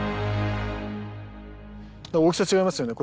大きさ違いますよね。